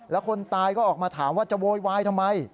แล้วคนตายก็ออกมาถามว่าจะโวยวายทำไม